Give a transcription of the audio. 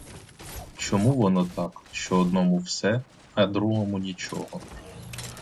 Чому воно так, що одному все, а другому нічого?